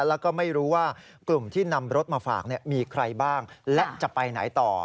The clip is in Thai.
แล้วก็ไม่รู้ว่ากลุ่มที่นำรถมาฝากมีใครบ้างและจะไปไหนต่อ